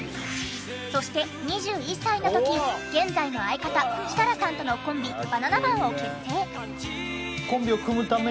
そして２１歳の時現在の相方設楽さんとのコンビバナナマンを結成。